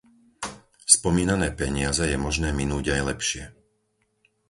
Spomínané peniaze je možné minúť aj lepšie.